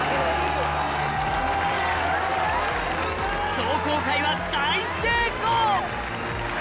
壮行会は大成功！